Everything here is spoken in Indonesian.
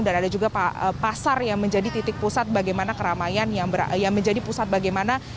dan ada juga pasar yang menjadi titik pusat bagaimana keramaian yang menjadi pusat bagaimana